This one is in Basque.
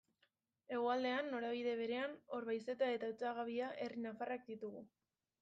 Hegoaldean, norabide berean, Orbaizeta eta Otsagabia herri nafarrak ditugu.